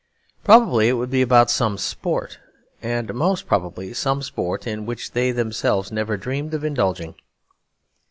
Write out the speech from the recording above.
Probably it would be about some sport; and most probably some sport in which they themselves never dreamed of indulging.